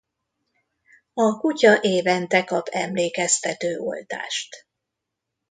A kutya évente kap emlékeztető oltást.